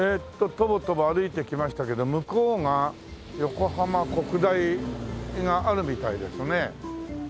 とぼとぼ歩いてきましたけど向こうが横浜国大があるみたいですね。